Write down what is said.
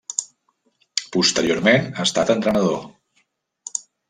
Posteriorment ha estat entrenador.